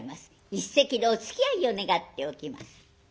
一席のおつきあいを願っておきます。